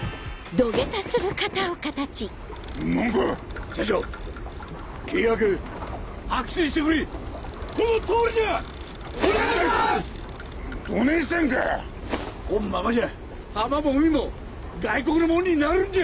どねぇしたんか⁉こんままじゃ浜も海も外国のもんになるんじゃ！